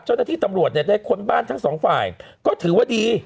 เจ้าหน้าที่ตำรวจเนี่ยได้ค้นบ้านทั้งสองฝ่ายก็ถือว่าดี